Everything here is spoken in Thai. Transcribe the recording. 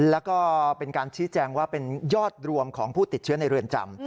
แล้วก็เป็นการชี้แจงว่าเป็นยอดรวมของผู้ติดเชื้อในเรือนจำ